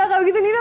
kalau begitu nino